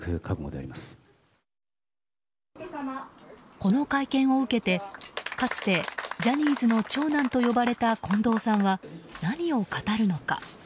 この会見を受けてかつてジャニーズの長男と呼ばれた近藤さんは何を語るのか。